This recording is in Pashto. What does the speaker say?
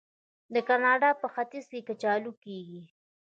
د کاناډا په ختیځ کې کچالو کیږي.